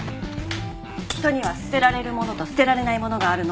人には捨てられるものと捨てられないものがあるの。